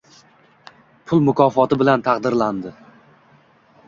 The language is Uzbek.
pul mukofoti bilan taqdirlandi.